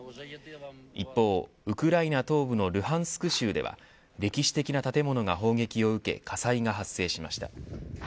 一方、ウクライナ東部のルハンスク州では歴史的な建物が砲撃を受け火災が発生しました。